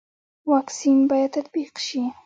واکسین باید تطبیق شي